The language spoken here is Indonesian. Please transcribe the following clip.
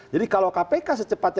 jadi kalau kpk secepatnya